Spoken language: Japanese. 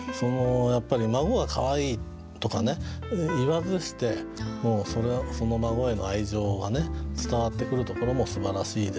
「孫がかわいい」とか言わずして孫への愛情が伝わってくるところもすばらしいですし。